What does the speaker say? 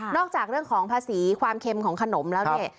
จากเรื่องของภาษีความเค็มของขนมแล้วเนี่ย